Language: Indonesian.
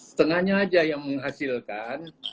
setengahnya aja yang menghasilkan